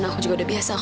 aku juga udah biasa kok